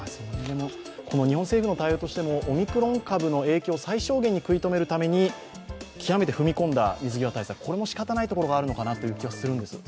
日本政府の対応としても、オミクロン株の影響を最小限に食い止めるために極めて踏み込んだ水際対策、これも仕方ないところがあるのかなという気はするんです。